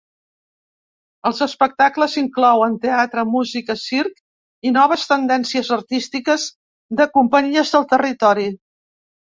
Els espectacles inclouen teatre, música, circ i noves tendències artístiques de companyies del territori.